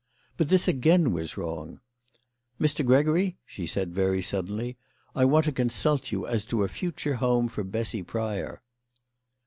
But this again was wrong. "Mr. Gregory," she said very suddenly, "I want to consult you as to a future home for Bessy Pryor."